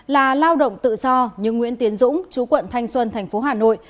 là lao động tự do nhưng nguyễn tiến dũng chú quận thanh xuân tp hà nội